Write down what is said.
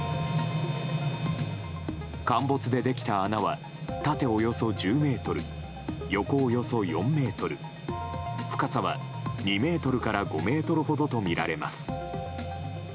陥没でできた穴は縦およそ１０ｍ、横およそ４ｍ深さは２ｍから５ｍほどとみられます。